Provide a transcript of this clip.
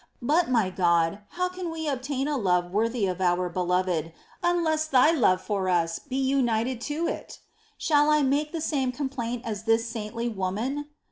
But, my God, how can we obtain a love worthy of our Beloved, unless Thy love for us be united to it ? Shall I make the same complaint as this saintly woman